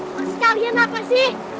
masih kalian apa sih